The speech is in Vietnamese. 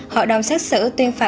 hội đồng xét xử